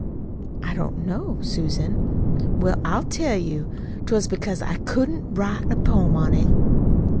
"I don't know, Susan," "Well, I'll tell you. 'Twas because I couldn't write a poem on it."